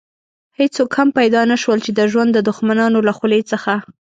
هېڅوک هم پيدا نه شول چې د ژوند د دښمنانو له خولې څخه.